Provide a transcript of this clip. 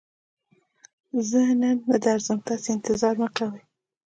زه نن نه درځم، تاسې انتظار مکوئ!